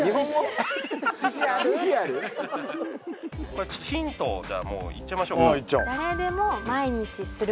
これちょっとヒントをじゃあもう言っちゃいましょううん？